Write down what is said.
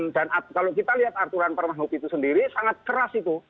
kalau kita lihat aturan permahuk itu sendiri sangat keras itu